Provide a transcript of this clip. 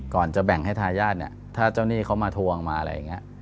ก่อนจะแบ่งให้ทายาทเนี่ยถ้าเจ้าหนี้เขามาทวงมาอะไรอย่างนี้